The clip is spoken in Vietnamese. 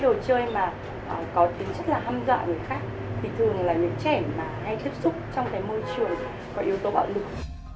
thì thường là những trẻ mà hay tiếp xúc trong cái môi trường có yếu tố mạo lực